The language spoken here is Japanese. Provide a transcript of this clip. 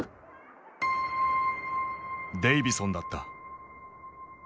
デイヴィソンだった。